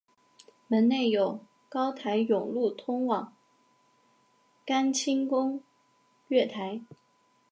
门内有高台甬路通往干清宫月台。